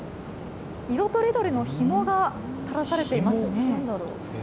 色とりどりのひもが垂らされていますね。